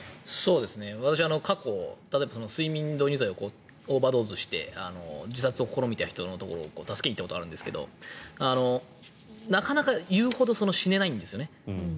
私、過去睡眠導入剤をオーバードーズして自殺を試みた人を助けに行ったことがあるんですけどなかなか言うほど死ねないんですよね。